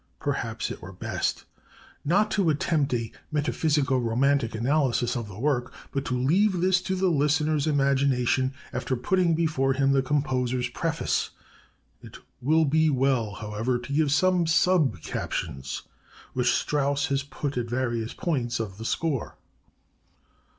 Perhaps it were best ... not to attempt a metaphysico romantic analysis of the work, but to leave this to the listener's imagination, after putting before him the composer's preface. It will be well, however, to give some sub captions which Strauss has put at various points of the score.